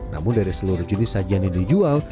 namun dari seluruh jenis sajian yang dijual